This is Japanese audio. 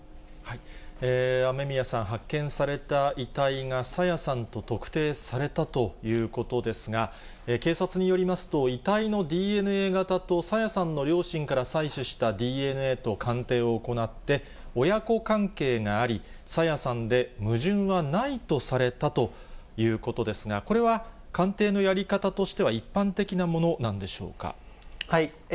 雨宮さん、発見された遺体が朝芽さんと特定されたということですが、警察によりますと、遺体のＤＮＡ型と朝芽さんの両親から採取したＤＮＡと鑑定を行って、親子関係があり、朝芽さんで矛盾はないとされたということですが、これは鑑定のやり方としては、一般的なものなんでしょうか。